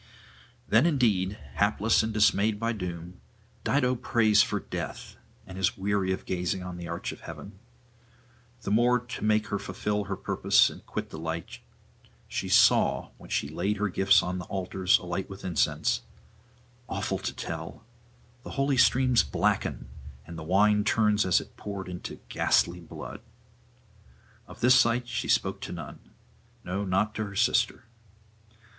Then indeed, hapless and dismayed by doom, Dido prays for death, and is weary of gazing on the arch of heaven. The more to make her fulfil her purpose and quit the light, she saw, when she laid her gifts on the altars alight with incense, awful to tell, the holy streams blacken, and the wine turn as it poured into ghastly blood. Of this sight she spoke to none no, not to her sister.